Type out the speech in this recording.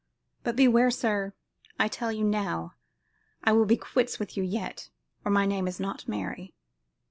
But beware, sir; I tell you now I will be quits with you yet, or my name is not Mary."